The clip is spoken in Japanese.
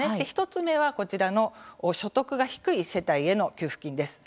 １つ目は、こちらの所得が低い世帯への給付金です。